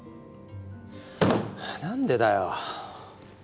何でだよ。